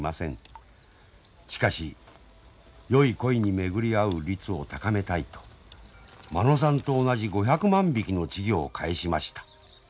しかしよい鯉に巡り合う率を高めたいと間野さんと同じ５００万匹の稚魚をかえしました。